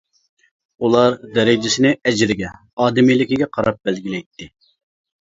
ئۇلار دەرىجىسىنى ئەجرىگە، ئادىمىيلىكىگە قاراپ بەلگىلەيتتى.